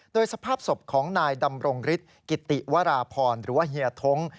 โดยสภาพศพของนายดำรงฤทธิกิติวราพรหรือว่าเฮียท้ง